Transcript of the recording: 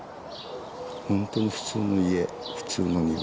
本当に普通の家普通の庭。